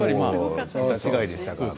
段違いでしたから。